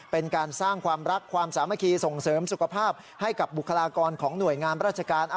เป็นการสร้างความรักความสามัคคีส่งเสริมสุขภาพให้กับบุคลากรของหน่วยงานราชการ